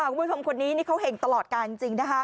คุณผู้ชมคนนี้เขาเห็นตลอดกันจริง